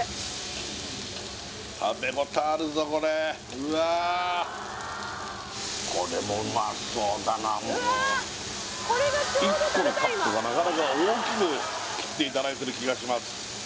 うわこれもうまそうだな１個のカットがなかなか大きく切っていただいてる気がします